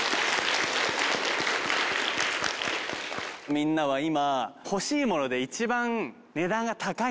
みんなは今。